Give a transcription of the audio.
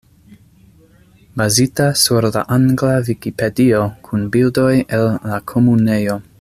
Bazita sur la angla Vikipedio kun bildoj el la Komunejo.